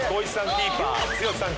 キーパー剛さん